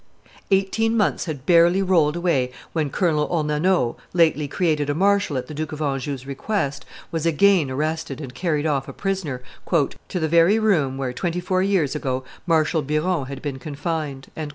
Eighteen months had barely rolled away when Colonel Ornano, lately created a marshal at the Duke of Anjou's request, was again arrested and carried off a prisoner "to the very room where, twenty four years ago, Marshal Biron had been confined."